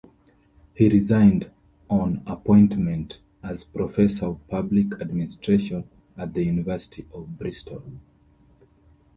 He resigned on appointment as Professor of Public Administration at the University of Bristol.